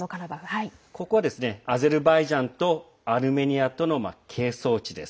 ここは、アゼルバイジャンとアルメニアとの係争地です。